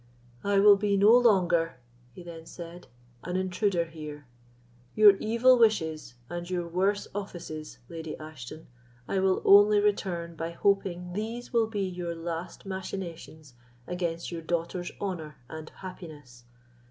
"I will be no longer," he then said, "an intruder here. Your evil wishes, and your worse offices, Lady Ashton, I will only return by hoping these will be your last machinations against your daughter's honour and happiness.